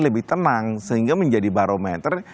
lebih tenang sehingga menjadi barometer